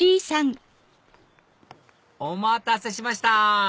お待たせしました！